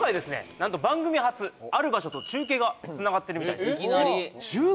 なんと番組初ある場所と中継がつながってるみたいです何で？